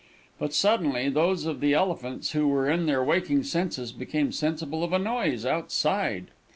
But suddenly, those of the Elephants who were in their waking senses, became sensible of a noise outside.